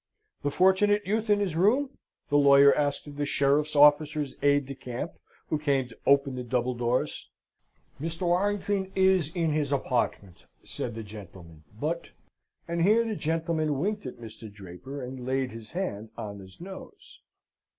"The Fortunate Youth in his room?" the lawyer asked of the sheriff's officer's aide de camp who came to open the double doors. "Mr. Warrington is in his apartment," said the gentleman, "but " and here the gentleman winked at Mr. Draper, and laid his hand on his nose.